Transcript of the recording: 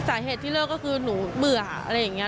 สาเหตุที่เลิกก็คือหนูเบื่ออะไรอย่างนี้